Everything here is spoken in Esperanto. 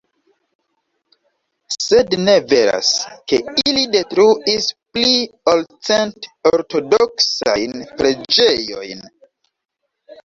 Sed ne veras, ke ili detruis pli ol cent ortodoksajn preĝejojn.